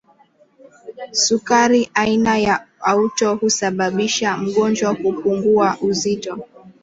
sukari aina ya auto husababisha mgonjwa kupungua uzito